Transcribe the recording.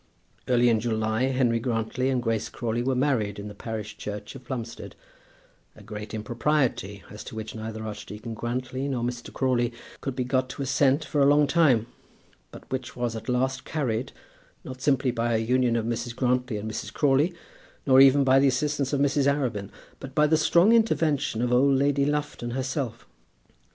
Early in July, Henry Grantly and Grace Crawley were married in the parish church of Plumstead, a great impropriety, as to which neither Archdeacon Grantly nor Mr. Crawley could be got to assent for a long time, but which was at last carried, not simply by a union of Mrs. Grantly and Mrs. Crawley, nor even by the assistance of Mrs. Arabin, but by the strong intervention of old Lady Lufton herself.